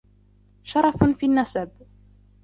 شرف في النسب